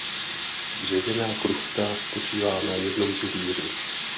Dřevěná kruchta spočívá na jednom pilíři.